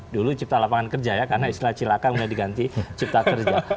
dulu cipta lapangan kerja ya karena istilah cilaka mulai diganti cipta kerja